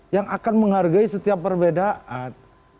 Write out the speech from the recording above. yang akan menghargai setiap perbedaan